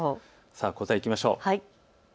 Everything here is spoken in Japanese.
答え、いきましょう。